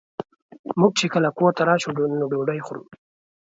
مونږ چې کله کور ته راشو نو ډوډۍ خورو